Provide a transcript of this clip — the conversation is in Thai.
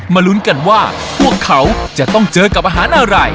ลุ้นกันว่าพวกเขาจะต้องเจอกับอาหารอะไร